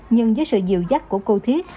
nhưng với sự dịu dắt của cô thiết